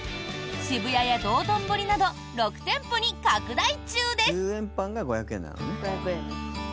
渋谷や道頓堀など６店舗に拡大中です！